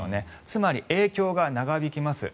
つまり、影響が長引きます。